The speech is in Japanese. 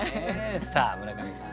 さあ村上さん